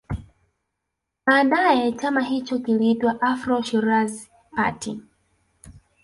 Baadae chama hicho kiliitwa Afro Shirazi Party